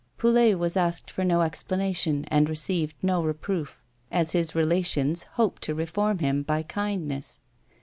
Poulet was asked for no ex planation and received no reproof, as his relations hoped to reform him by kindness.